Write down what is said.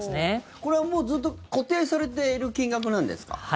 これはずっと固定されている金額なんですか？